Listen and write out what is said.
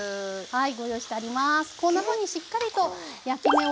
はい。